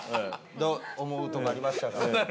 思うとこありましたか？